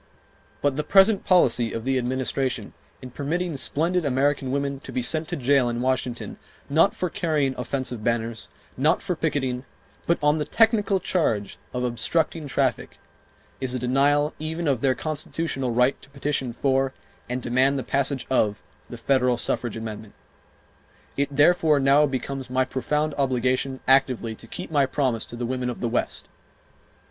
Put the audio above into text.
But the present policy of the Administration, in permitting splendid American women to be sent to jail in Washington, not for carrying offensive banners, not for picketing, but on the technical charge of obstructing traffic, is a denial even of their constitutional right to petition for, and demand the passage of, the federal suffrage amendment. It, therefore, now becomes my profound obligation actively to keep my promise to the women of the West.